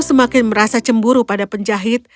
semakin merasa cemburu pada penjahit